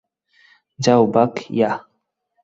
যাও, বাক, ইয়াহ।